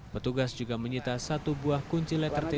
petugas juga menyita satu buah kunci letter t